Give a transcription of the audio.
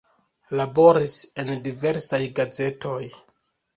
Laboris en diversaj gazetoj.